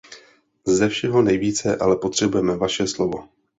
Ze všeho nejvíce ale potřebujeme vaše slovo.